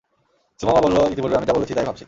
সুমামা বলল, ইতিপূর্বে আমি যা বলেছি তাই ভাবছি।